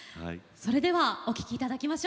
それではお聴きいただきましょう。